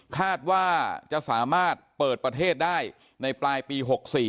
คาดว่าจะสามารถเปิดประเทศได้ในปลายปี๖๔